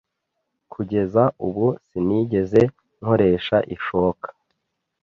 Kugeza ubu sinigeze nkoresha ishoka.